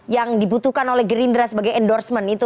yang dibutuhkan oleh gerindra sebagai endorsement itu